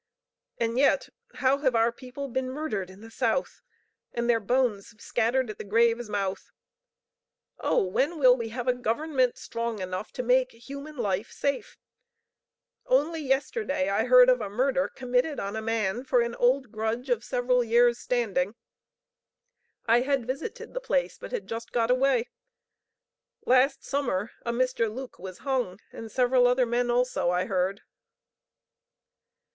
And yet, how have our people been murdered in the South, and their bones scattered at the grave's mouth! Oh, when will we have a government strong enough to make human life safe? Only yesterday I heard of a murder committed on a man for an old grudge of several years' standing. I had visited the place, but had just got away. Last summer a Mr. Luke was hung, and several other men also, I heard."